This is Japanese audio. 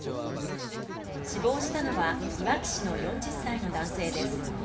死亡したのはいわき市の４０歳の男性です。